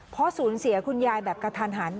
เพราะสูญเสียคุณยายแบบกระทันหัน